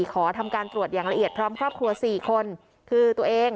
ขอทำการตรวจอย่างละเอียดพร้อมครอบครัว๔คนคือตัวเอง